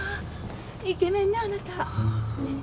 イケメンねあなた！